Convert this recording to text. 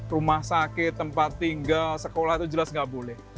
rumah sakit tempat tinggal sekolah itu jelas nggak boleh